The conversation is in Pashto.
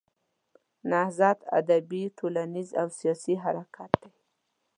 نهضت ادبي، ټولنیز او سیاسي حرکت دی.